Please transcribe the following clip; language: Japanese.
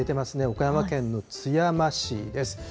岡山県の津山市です。